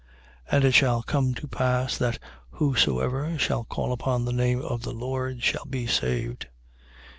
2:21. And it shalt come to pass, that whosoever shall call upon the name of the Lord shall be saved.